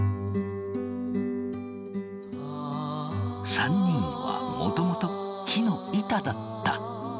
３人はもともと木の板だった。